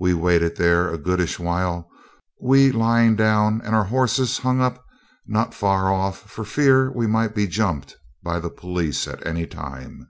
We waited there a goodish while, we lying down and our horses hung up not far off for fear we might be 'jumped' by the police at any time.